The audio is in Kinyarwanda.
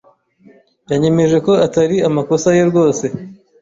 Yanyemeje ko atari amakosa ye rwose.